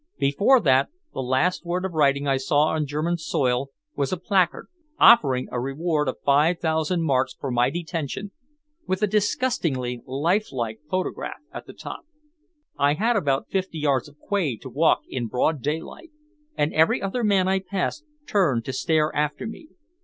Before that, the last word of writing I saw on German soil was a placard, offering a reward of five thousand marks for my detention, with a disgustingly lifelike photograph at the top. I had about fifty yards of quay to walk in broad daylight, and every other man I passed turned to stare after me.